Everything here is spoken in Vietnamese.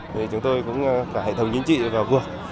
thì chúng tôi cũng phải hệ thống nhân trị vào cuộc